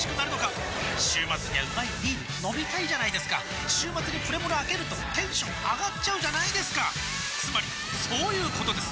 週末にはうまいビール飲みたいじゃないですか週末にプレモルあけるとテンション上がっちゃうじゃないですかつまりそういうことです！